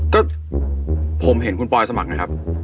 ก็ผมเห็นคุณปอยสมัครไงครับ